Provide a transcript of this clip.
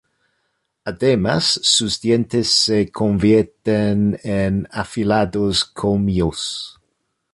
Además, sus dientes se convierten en afilados colmillos.